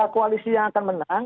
koalisi yang akan menang